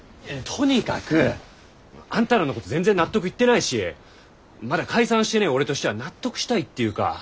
とにかくあんたらのこと全然納得いってないしまだ解散してねぇ俺としては納得したいっていうか。